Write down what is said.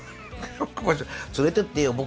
連れてってよ僕を。